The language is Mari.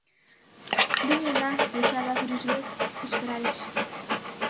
Лийнена! — йоча-влак рӱжге кычкыральыч.